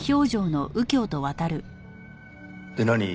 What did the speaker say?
で何？